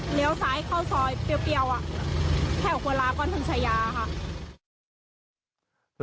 เหนียวซ้ายเข้าซอยเปรียวแถวกวนลาก่อนถึงชายาค่ะ